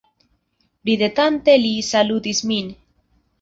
Ridetante li salutis min.